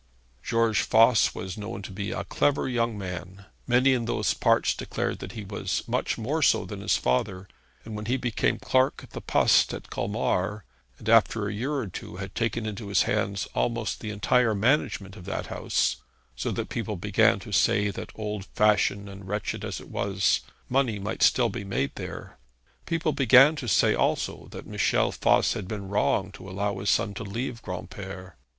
George Voss was known to be a clever young man; many in those parts declared that he was much more so than his father; and when he became clerk at the Poste in Colmar, and after a year or two had taken into his hands almost the entire management of that house so that people began to say that old fashioned and wretched as it was, money might still be made there people began to say also that Michel Voss had been wrong to allow his son to leave Granpere.